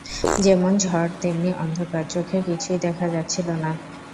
যেমনি ঝড় তেমনি অন্ধকার, চোখে কিছুই দেখা যাচ্ছিল না।